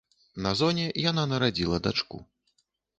На зоне яна нарадзіла дачку.